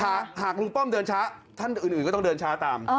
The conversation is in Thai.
หากลุงป้อมเดินช้าท่านอื่นก็ต้องเดินช้าตาม